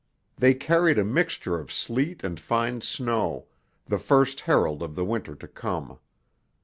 They carried a mixture of sleet and fine snow, the first herald of the winter to come.